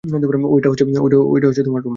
ওইটা হচ্ছে তোমার রুম।